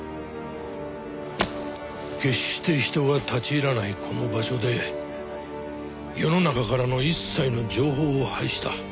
決して人が立ち入らないこの場所で世の中からの一切の情報を排した。